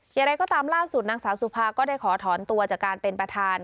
อย่างไรก็ตามล่าสุดนางสาวสุภาก็ได้ขอถอนตัวจากการเป็นประธาน